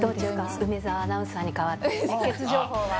梅澤アナウンサーに代わって、熱ケツ情報は？